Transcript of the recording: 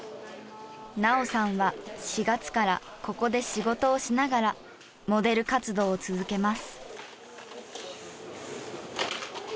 菜桜さんは４月からここで仕事をしながらモデル活動を続けます。